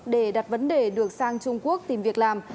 để đặt vấn đề được sang trung quốc tìm việc làm